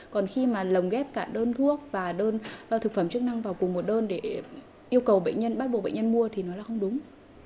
còn khi mà lồng ghép cả đơn thuốc và đơn thực phẩm chức năng vào cùng một đơn để yêu cầu bệnh nhân bắt buộc bệnh nhân mua thì nó là không đúng